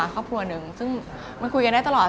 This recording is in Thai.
ครอบครัวหนึ่งซึ่งมันคุยกันได้ตลอด